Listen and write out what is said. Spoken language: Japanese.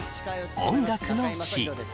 「音楽の日」